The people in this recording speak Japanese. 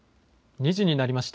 ２時になりました。